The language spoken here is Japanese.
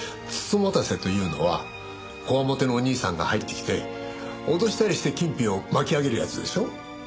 美人局というのは強面のお兄さんが入ってきて脅したりして金品を巻き上げるやつでしょ？